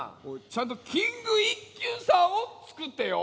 ちゃんとキング一休さんをつくってよ。